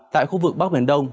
tại khu vực bắc biển đông